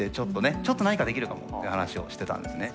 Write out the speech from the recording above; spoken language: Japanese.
ちょっと何かできるかもって話をしてたんですね。